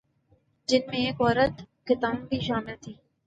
"جن میں ایک عورت "قطام" بھی شامل تھی"